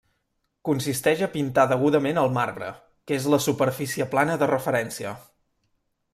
Consisteix a pintar degudament el marbre, que és la superfície plana de referència.